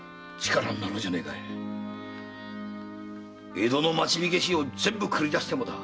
江戸の町火消し全部繰り出してもだ。